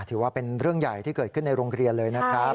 ถือว่าเป็นเรื่องใหญ่ที่เกิดขึ้นในโรงเรียนเลยนะครับ